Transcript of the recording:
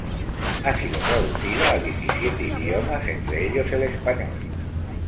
Ha sido traducida a diecisiete idiomas, entre ellos el español.